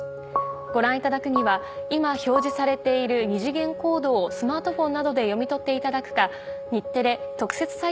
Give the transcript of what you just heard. ご覧いただくには今表示されている二次元コードをスマートフォンなどで読み取っていただくか。